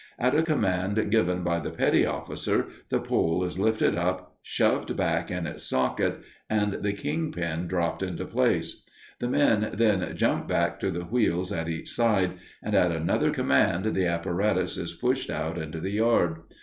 At a command given by the petty officer the pole is lifted up, shoved back in its socket, and the king pin dropped into place. The men then jump back to the wheels at each side, and at another command the apparatus is pushed out into the yard.